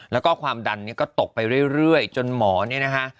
แล้วก็ความดันเนี่ยก็ตกไปเรื่อยจนหมอเนี่ยนะคะ